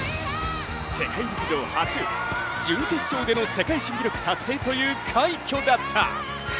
世界陸上初、準決勝での世界新記録達成という快挙だった。